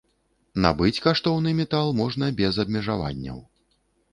Набыць каштоўны метал можна без абмежаванняў.